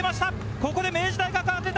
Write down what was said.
ここで明治大学が出た。